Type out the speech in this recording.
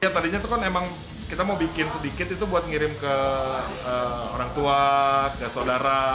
ya tadinya tuh kan emang kita mau bikin sedikit itu buat ngirim ke orang tua ke saudara